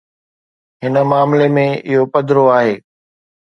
هن معاملي ۾ اهو پڌرو آهي.